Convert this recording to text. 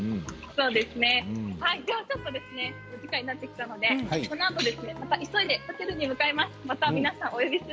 ちょっとお時間になってきたのでこのあとまた急いでホテルに向かいます。